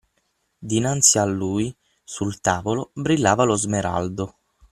Dinanzi a lui, sul tavolo, brillava lo smeraldo.